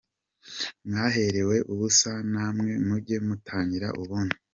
Mwaherewe ubusa, namwe mujye mutangira ubundi.